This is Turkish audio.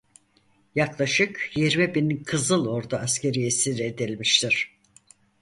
Yaklaşık yirmi bin Kızıl Ordu askeri esir edilmiştir.